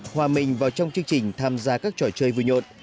hòa mình vào trong chương trình tham gia các trò chơi vui nhộn